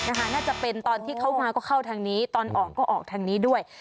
น่าจะเป็นตอนที่เข้ามาก็เข้าทางนี้ตอนออกก็ออกทางนี้ด้วย